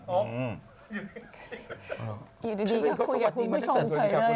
อยู่ดีเขาคุยกับคุณผู้ชมเฉยเลย